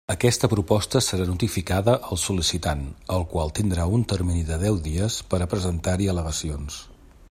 Aquesta proposta serà notificada al sol·licitant, el qual tindrà un termini de deu dies per a presentar-hi al·legacions.